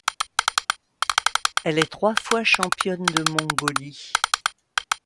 Elle est trois fois championne de Mongolie.